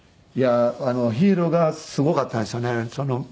いやＨＩＲＯがすごかったんですよね。